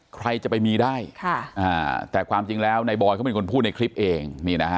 ใครจะไปมีได้แต่ความจริงแล้วนายบอยเขาเป็นคนพูดในคลิปเอง